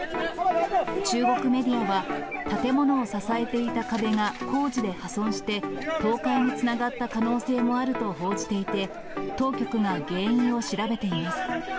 中国メディアは、建物を支えていた壁が工事で破損して、倒壊につながった可能性もあると報じていて、当局が原因を調べています。